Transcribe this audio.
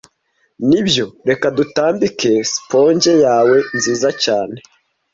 nibyo reka dutambike sponge yawe nziza cyane